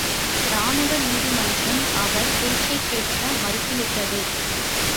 இராணுவ நீதிமன்றம் அவர் பேச்சைக் கேட்க மறுத்து விட்டது.